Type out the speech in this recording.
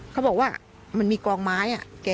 เขาบอกว่ามันมีกองไม้